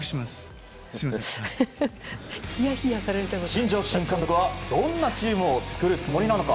新庄新監督はどんなチームを作るつもりなのか？